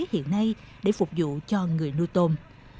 hiện nay để phục vụ cho người nuôi tôm